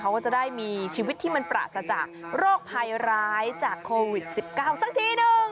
ก็ได้มีชีวิตที่มันปราศจากโรคภัยร้ายจากโควิด๑๙สักทีหนึ่ง